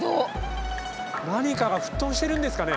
何かが沸騰してるんですかね。